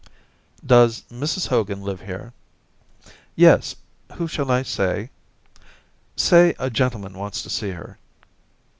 * Does Mrs Hogan live here?' ' Yes. Who shall I say }'* Say a gentleman wants to see her.